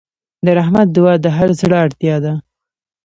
د رحمت دعا د هر زړه اړتیا ده.